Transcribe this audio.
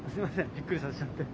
びっくりさせちゃって。